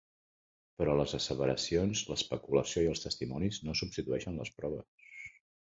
Però les asseveracions, l"especulació i els testimonis no substitueixen les proves.